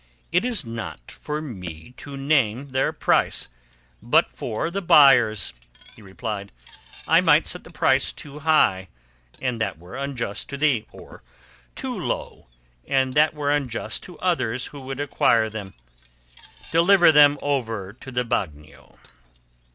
"It is not for me to name their price, but for the buyers," he replied. "I might set the price too high, and that were unjust to thee, or too low, and that were unjust to others who would acquire them. Deliver them over to the bagnio."